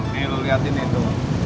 nih lu liatin itu